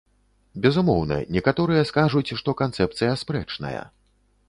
Безумоўна, некаторыя скажуць, што канцэпцыя спрэчная.